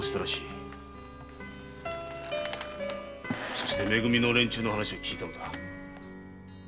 そして「め組」の連中の話を聞いたのだ。